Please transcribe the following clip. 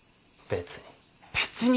別に。